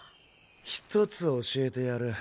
一つ教えてやる。